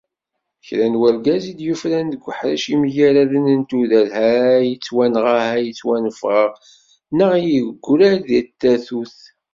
Kra n urgaz i d-yufraren deg uḥric yemgaraden n tudert, ha yettwanɣa, ha yettwanfa neɣ yeggra-d deg tatut.